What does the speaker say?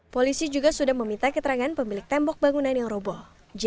polisi juga sudah meminta keterangan pemilik tembok bangunan yang roboh